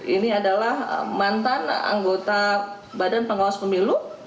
ini adalah mantan anggota badan pengawas pemilu